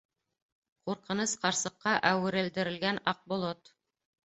Ҡурҡыныс ҡарсыҡҡа әүерелдерелгән Аҡболот.